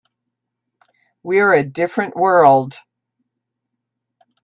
We're a different world.